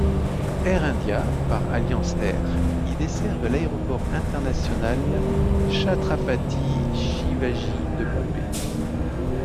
Air India par Alliance Air y desservent l'aéroport international Chhatrapati-Shivaji de Bombay.